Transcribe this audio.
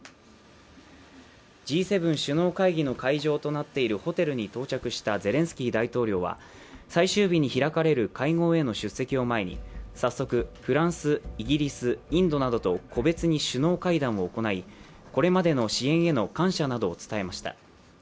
Ｇ７首脳会議の会場となっているホテルに到着したゼレンスキー大統領は最終日に開かれる会合への出席を前に早速、フランス、イギリス、インドなどと個別に首脳会談を行いこれまでの支援への感謝などを伝えました。